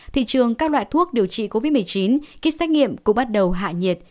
thị trường các loại thuốc điều trị covid một mươi chín kết xác nghiệm cũng bắt đầu hạ nhiệt